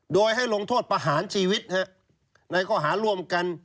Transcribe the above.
โดยให้ลงโทษประหารชีวิตในข้อหาร่วมกัน